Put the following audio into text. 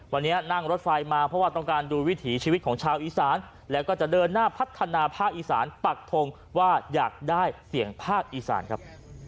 วันนี้นั่งรถไฟมาเพราะว่าต้องการดูวิถีชีวิตของชาวอีสานแล้วก็จะเดินหน้าพัฒนาภาคอีสานปักทงว่าอยากได้เสียงภาคอีสานครับ